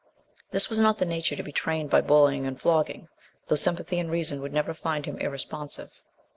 This was not the nature to be trained by bullying and flogging, though sympathy and reason would never find him irresponsive.